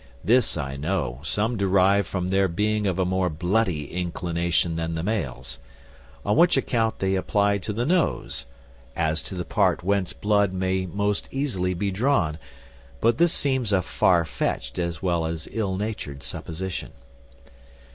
This, I know, some derive from their being of a more bloody inclination than the males. On which account they apply to the nose, as to the part whence blood may most easily be drawn; but this seems a far fetched as well as ill natured supposition.